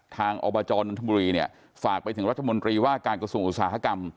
อบจนนทบุรีเนี่ยฝากไปถึงรัฐมนตรีว่าการกระทรวงอุตสาหกรรม